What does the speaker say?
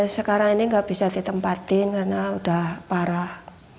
sekarang ini nggak bisa ditempatin karena udah parah